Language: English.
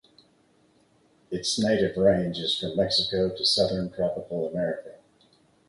Its native range is from Mexico to Southern Tropical America.